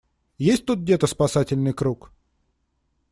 Есть тут где-то спасательный круг?